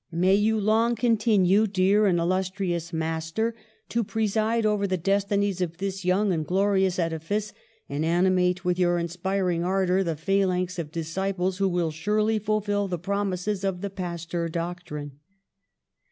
''May you long continue, dear and illustrious master, to preside over the destinies of this young and glorious edifice, and animate with your inspiring ardour the phalanx of disciples who will surely fulfil the promises of the Pas teur doctrine.